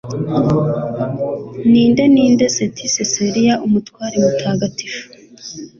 Ninde Ninde St Cecellia Umutware Mutagatifu